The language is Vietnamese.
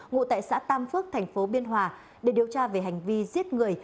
ngụ tại xã tam phước thành phố biên hòa để điều tra về hành vi giết người